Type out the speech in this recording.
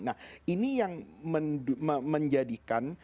nah ini yang menjadikan